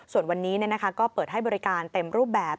ส่วนวันนี้ก็เปิดให้บริการเต็มรูปแบบ